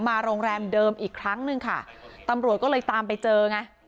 โรงแรมเดิมอีกครั้งหนึ่งค่ะตำรวจก็เลยตามไปเจอไง